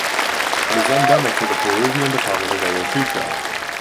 It is endemic to the Peruvian department of Ayacucho.